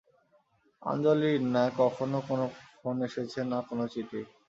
আঞ্জলির না কখনো কোন ফোন এসেছে না কোন চিঠি।